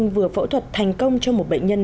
vừa phẫu thuật thành công cho một bệnh nhân